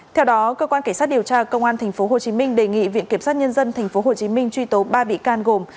theo đó cơ quan cảnh sát điều tra công an tp hcm đề nghị viện kiểm sát nhân dân tp hcm truy tố ba bị can gồm